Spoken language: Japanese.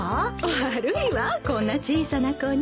悪いわこんな小さな子に。